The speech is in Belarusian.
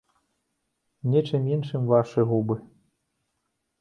Нечым іншым вашы губы!